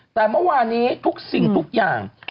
แต่เมื่อวานี้ทุกสิ่งทุกอย่าง